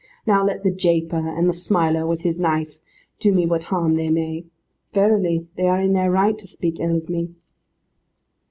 Now let the japer, and the smiler with his knife, do me what harm they may. Verily they are in their right to speak ill of me.